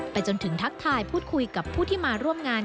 จนถึงทักทายพูดคุยกับผู้ที่มาร่วมงาน